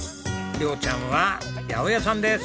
亮ちゃんは八百屋さんです。